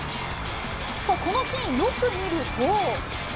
このシーン、よく見ると。